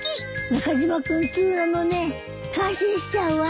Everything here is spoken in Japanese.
中島君通なのね感心しちゃうわ。